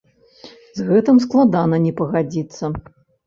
З гэтым складана не пагадзіцца!